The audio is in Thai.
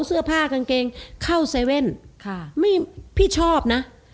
เสื้อผ้ากางเกงเข้าเซเว่นค่ะไม่พี่ชอบนะ